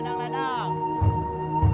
neng dalem liat kau kok